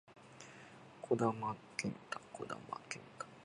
児玉幹太児玉幹太